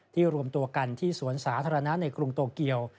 รวมตัวกันที่สวนสาธารณะในกรุงโตเกียว